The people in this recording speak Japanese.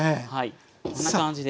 こんな感じで。